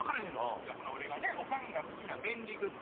ほな俺がオカンが好きな便利グッズ